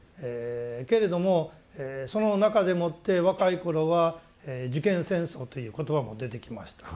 けれどもその中でもって若い頃は「受験戦争」という言葉も出てきました。